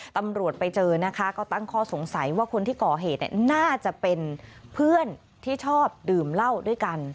ตำรวจไปเจอนะคะก็ตั้งข้อสงสัยว่าคนที่ก่อเหตุน่าจะเป็นเพื่อนที่ชอบดื่มเหล้าด้วยกัน